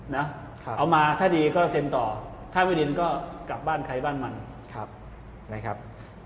เอามาถ้าดีก็เซ็นต่อถ้าไม่ดินก็กลับบ้านใครบ้านมันนะครับ